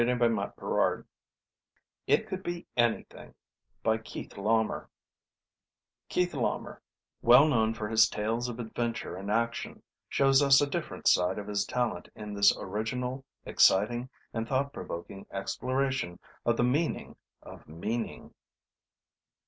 net By KEITH LAUMER it could be ANYTHING _Keith Laumer, well known for his tales of adventure and action, shows us a different side of his talent in this original, exciting and thought provoking exploration of the meaning of meaning.